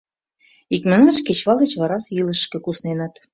Икманаш, кечывал деч варасе илышышке кусненыт.